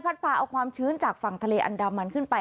พาเอาความชื้นจากฝั่งทะเลอันดามันขึ้นไป